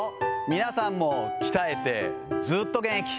皆さんも鍛えてずっと元気。